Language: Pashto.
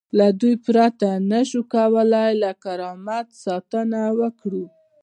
له دوی پرته نشو کولای له کرامت ساتنه وکړو.